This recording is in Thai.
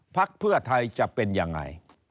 พักเพื่อไทยจะเป็นยังไง